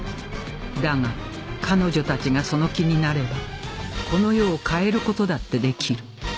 だが彼女たちがその気になればこの世を変える事だってできる